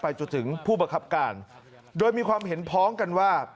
จนถึงผู้บังคับการโดยมีความเห็นพ้องกันว่า